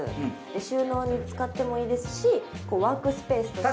収納に使ってもいいですし、ワークスペースとしても。